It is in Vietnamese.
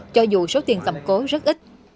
cho dù số tiền cầm cố rất ít